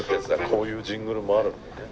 こういうジングルもあるんだね。